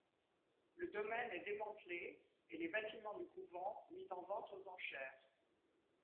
Le domaine est démantelé et les bâtiments du couvent mis en vente aux enchères.